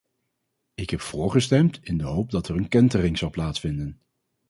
Ik heb voor gestemd in de hoop dat er een kentering zal plaatsvinden.